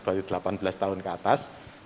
baru delapan belas tahun ke atas